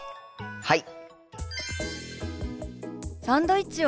はい！